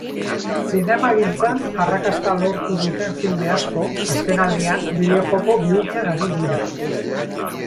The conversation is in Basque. Zinemagintzan arrakasta lortu duten film asko, azkenaldian bideojoko bihurtzen ari dira.